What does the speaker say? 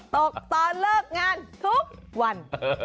ตกตอนเลิกงานทุกวัน